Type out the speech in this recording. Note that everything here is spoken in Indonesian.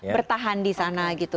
bertahan di sana